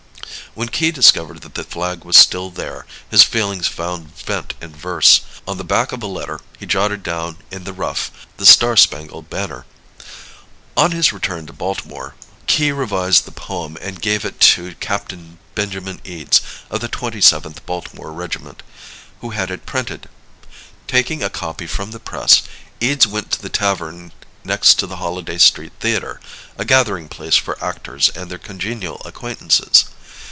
When Key discovered that the flag was still there his feelings found vent in verse. On the back of a letter he jotted down in the rough "The Star Spangled Banner." On his return to Baltimore, Key revised the poem and gave it to Captain Benjamin Eades, of the Twenty Seventh Baltimore Regiment, who had it printed. Taking a copy from the press, Eades went to the tavern next to the Holiday Street Theater a gathering place for actors and their congenial acquaintances.